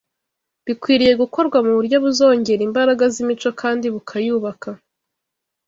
bikwiriye gukorwa mu buryo buzongera imbaraga z’imico kandi bukayubaka